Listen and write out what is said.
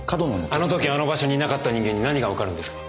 あの時あの場所にいなかった人間に何がわかるんですか？